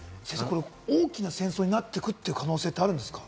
大きな戦争になっていく可能性はあるんですか？